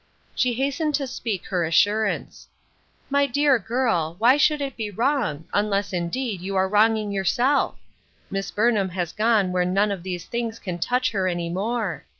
She hastened to speak her reassurance :" My clear girl, why should it be wrong, unless, indeed, you are wronging yourself? Miss Burnham has gone where none of these things can touch her any more.